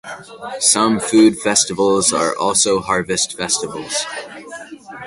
Some food festivals are also harvest festivals.